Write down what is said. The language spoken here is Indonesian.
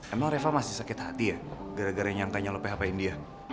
emang reva masih sakit hati ya gara gara nyangkanya lo phpin dia